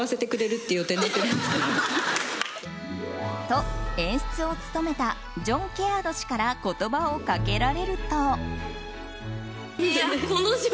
と、演出を務めたジョン・ケアード氏から言葉をかけられると。